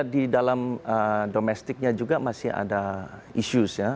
jadi di dalam domestiknya juga masih ada issues ya